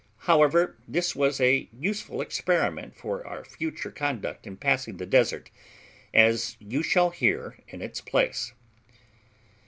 However, this was a useful experiment for our future conduct in passing the desert, as you shall hear in its place.